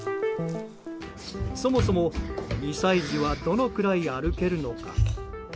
そもそも、２歳児はどのくらい歩けるのか。